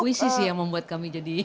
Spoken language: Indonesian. puisi sih yang membuat kami jadi